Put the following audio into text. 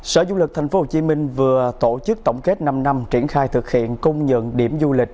sở du lịch tp hcm vừa tổ chức tổng kết năm năm triển khai thực hiện công nhận điểm du lịch